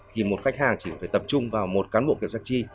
thì một khách hàng chỉ phải tập trung vào một cán bộ kiểm tra chi